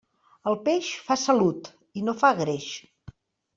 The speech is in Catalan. El peix fa salut i no fa greix.